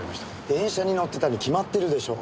電車に乗ってたに決まってるでしょう。